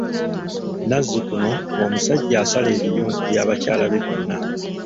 Nazzikuno ng'omusajja asala ebiyungu bya bakyala be bonna.